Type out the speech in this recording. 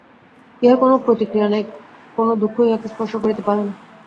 ইহার কোন প্রতিক্রিয়া নাই, কোন দুঃখ ইহাকে স্পর্শ করিতে পারে না।